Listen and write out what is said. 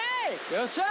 よっしゃ！